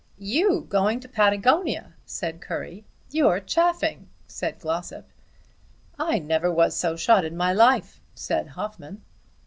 "You going to Patagonia!" said Currie. "You're chaffing," said Glossop. "I never was so shot in my life," said Hoffmann.